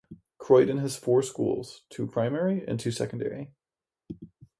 Croydon has four schools: two primary and two secondary.